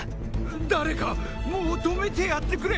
誰かもう止めてやってくれ！